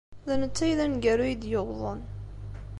D netta ay d aneggaru ay d-yuwḍen.